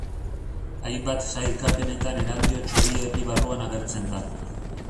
Hainbat sailkapenetan Erandio Txorierri barruan agertzen da.